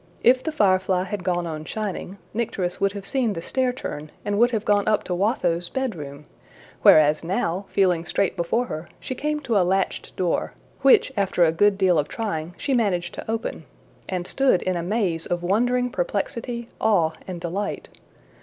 If the firefly had gone on shining, Nycteris would have seen the stair turn and would have gone up to Watho's bedroom; whereas now, feeling straight before her, she came to a latched door, which after a good deal of trying she managed to open and stood in a maze of wondering perplexity, awe, and delight.